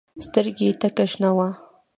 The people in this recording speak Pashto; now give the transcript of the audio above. سترګه يې تکه شنه وه.